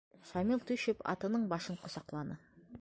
Шамил төшөп, атының башын ҡосаҡланы.